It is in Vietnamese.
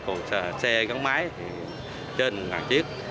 còn xe gắn máy thì trên là một chiếc